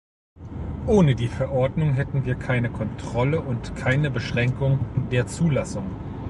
Ohne die Verordnung hätten wir keine Kontrolle und keine Beschränkung der Zulassung.